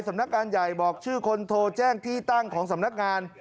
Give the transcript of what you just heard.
สำนักการใหญ่บอกชื่อคนโทรแจ้งที่ตั้งของสำนักงาน